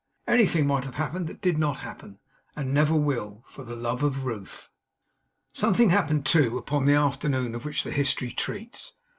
Anything might have happened that did not happen, and never will, for the love of Ruth. Something happened, too, upon the afternoon of which the history treats.